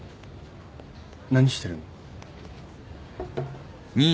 何してるの？